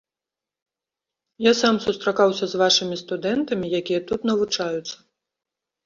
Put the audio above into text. Я сам сустракаўся з вашымі студэнтамі, якія тут навучаюцца.